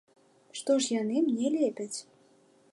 Што ж яны мне лепяць?!